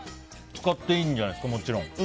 使っていいんじゃないですかもちろん。